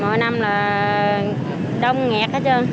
mỗi năm là đông nghẹt hết trơn